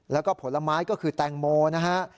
แล้วก็ผลไม้ก็คือแตงโมนะฮะ